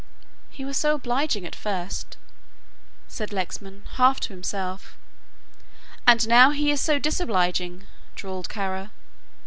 "He was so obliging at first," said Lexman, half to himself. "And now he is so disobliging," drawled Kara.